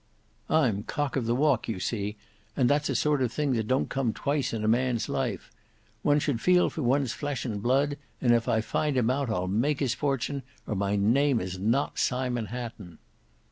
I'm cock of the walk you see, and that's a sort of thing that don't come twice in a man's life. One should feel for one's flesh and blood, and if I find him out I'll make his fortune, or my name is not Simon Hatton."